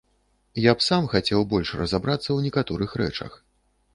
Я б сам хацеў больш разабрацца ў некаторых рэчах.